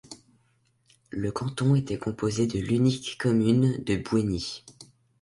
Le canton était composé de l'unique commune de Bouéni.